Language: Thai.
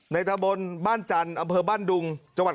ในทะบลบ้านจันทร์อำเภอบ้านดุง